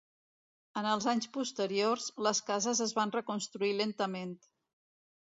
En els anys posteriors, les cases es van reconstruir lentament.